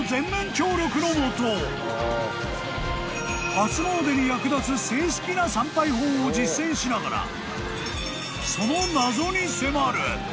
［初詣に役立つ正式な参拝法を実践しながらその謎に迫る！］